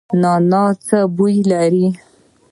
نعناع څه بوی لري؟